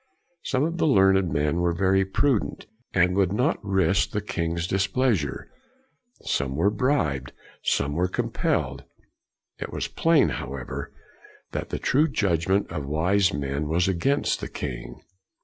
Some of the learned men were very prudent and would not risk the king's displeasure; some were bribed, some were compelled. It was plain, however, that the true judg ment of wise men was against the king.